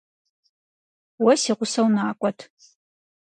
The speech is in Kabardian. Уэ си гъусэу накӀуэт.